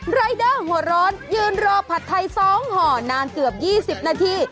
รายเดอร์หัวร้อนยืนรอผัดไทย๒ห่อนานเกือบ๒๐นาที